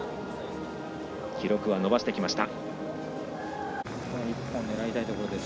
記録は伸ばしてきました。